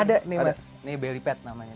ada nih mas ini belly pad namanya